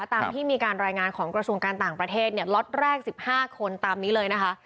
ตามที่มีการรายงานของกระทรวงการต่างประเทศเนี่ยล็อตแรก๑๕คนตามนี้เลยนะคะ